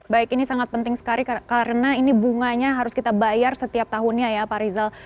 baik ini sangat penting sekali karena ini bunganya harus kita bayar setiap tahunnya ya pak rizal